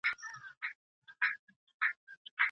ارواپوهنه د انسان دننه نړۍ روښانه کوي.